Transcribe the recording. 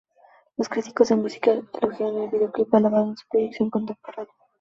Los críticos de música elogiaron el videoclip, alabando su producción contemporánea.